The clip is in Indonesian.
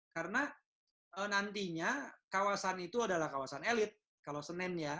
karena nantinya kawasan itu adalah kawasan elit kalau senen ya